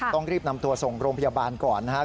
ต้องรีบนำตัวส่งโรงพยาบาลก่อนนะครับ